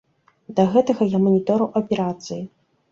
Да гэтага я маніторыў аперацыі.